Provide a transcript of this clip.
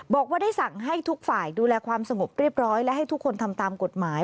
บอกว่าได้สั่งให้ทุกฝ่ายดูแลความสงบเรียบร้อยและให้ทุกคนทำตามกฎหมาย